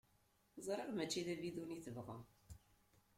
Ẓriɣ mačči d abidun i tebɣa.